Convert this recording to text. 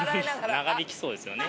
長引きそうですよね。